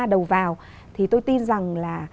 đầu vào thì tôi tin rằng là